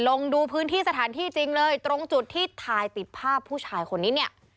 ลงดูพื้นที่สถานที่จริงเลยตรงจุดที่ถ่ายติดภาพผู้ชายคนนี้เนี่ย